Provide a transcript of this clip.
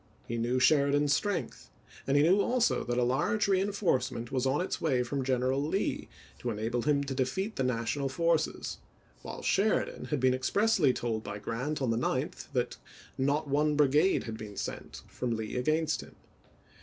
He knew Sheridan's strength, and he knew also that a large reenforcement was on its way from General Lee to enable him to defeat the National forces; while Sheridan had been expressly told by Grant on the 9th that "not one brigade had been sent " from Lee against him.